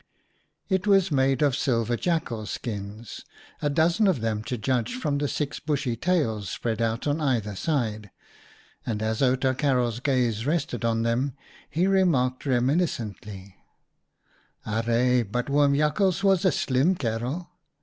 It was made of silver jackal skins — a dozen of them, to judge from the six bushy tails spread out on either side ; and as Outa Karel's gaze rested on them, he remarked reminiscently —" Arre ! but Oom Jakhals was a slim kerel